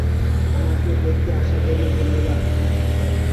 আমাকে দেখতে আসার জন্য ধন্যবাদ।